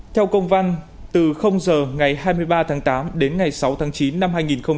theo công văn từ giờ ngày hai mươi ba tháng tám đến ngày sáu tháng chín năm hai nghìn một mươi chín